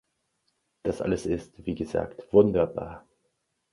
Das alles ist, wie gesagt, wunderbar.